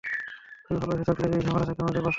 তুমি ভালোবেসে থাকলে, এই ঝামেলা থেকে আমাদের বাঁচাতে!